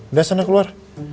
udah sana keluar